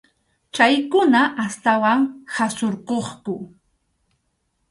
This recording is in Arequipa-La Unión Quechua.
Chaykuna astawan qhasurquqku.